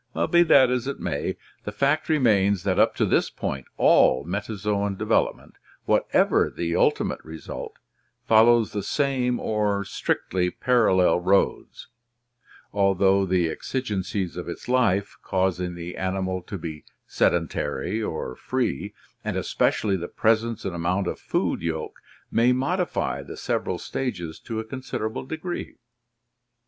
Be that as it may, the fact remains that up to this point all meta zoan development, whatever the ultimate result, follows the same or strictly parallel roads, although the exigencies of its life, causing the animal to be sedentary or free, and especially the presence and amount of food yolk may modify the several stages to a considera ble degree.